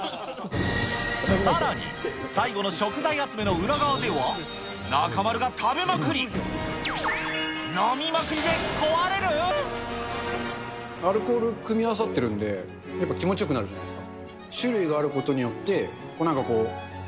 さらに、最後の食材集めの裏側では、中丸が食べまくり、飲みまくりでアルコール組み合わさってるんで、やっぱ気持ちよくなるじゃないですか。